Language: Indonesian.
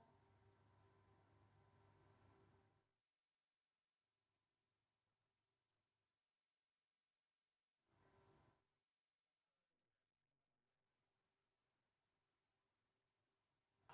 dan di sini saya juga melihat ada teatrikal yang dilakukan oleh elemen elemen mahasiswa ini yaitu merupakan keranda atau semacam kijing seperti itu yang menandakan matinya pemberantasan korupsi di indonesia